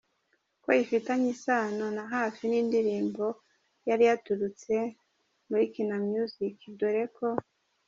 ko ifitanye isano rya hafi nindirimbo yari yaturutse muri Kina music dore ko.